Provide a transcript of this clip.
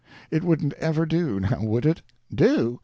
It wouldn't ever do now would it?" "Do?